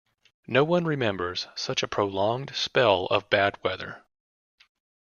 No one remembers such a prolonged spell of bad weather.